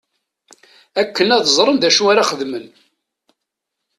Akken ad ẓren d acu ara xedmen.